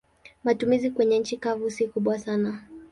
Matumizi kwenye nchi kavu si kubwa sana.